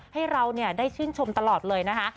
ให้เราได้ชื่นชมตลอดเลยนะคะ